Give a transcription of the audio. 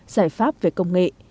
giải pháp về công nghệ